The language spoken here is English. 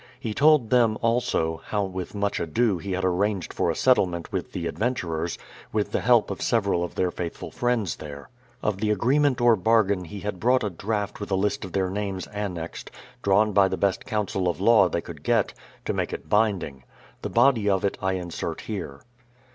He told them, also, how witli much ado he had arranged for a settlement with the adventurers, with the help of several of their faithful friends there. Of the agreement or bargain he had brought a draft with a list of their names annexed, drawn by the best counsel of law they could get, to make it bind ing. The body of it I insert here.